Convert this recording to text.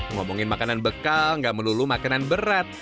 ngomongin makanan bekal gak melulu makanan berat